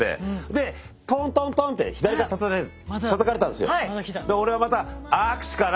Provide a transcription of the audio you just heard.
でトントントンって左肩たたかれたんですよ。